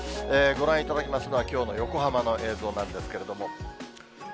ご覧いただきますのは、きょうの横浜の映像なんですけれども。